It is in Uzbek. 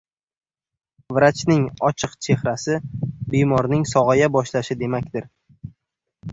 Vrachning ochiq chehrasi bemorning sog‘aya boshlashi demakdir.